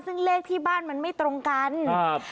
ซึ่งเลขที่บ้านมันไม่ตรงกันครับ